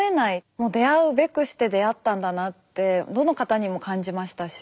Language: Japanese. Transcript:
もう出会うべくして出会ったんだなってどの方にも感じましたし